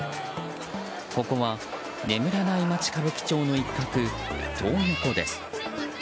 ここは、眠らない街歌舞伎町の一角、トー横です。